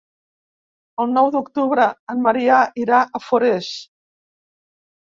El nou d'octubre en Maria irà a Forès.